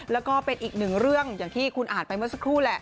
แล้วก็เป็นอีกหนึ่งเรื่องอย่างที่คุณอ่านไปเมื่อสักครู่แหละ